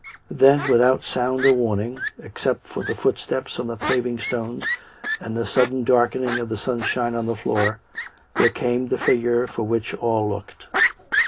Then, without sound or warning, except for the footsteps on the paving stones and the sudden darkening of the sun shine on the floor, there came the figure for which all looked.